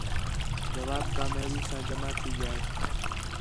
جواب کامیابی ساں جمع تھی ڳیا ہِے